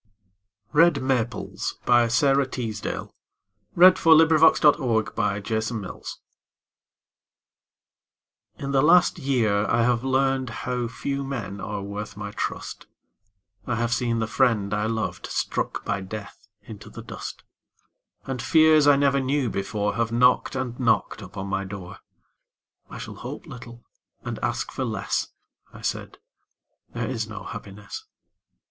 p me from the peace of those Who are not lonely, having died. Red Maples In the last year I have learned How few men are worth my trust; I have seen the friend I loved Struck by death into the dust, And fears I never knew before Have knocked and knocked upon my door "I shall hope little and ask for less," I said, "There is no happiness."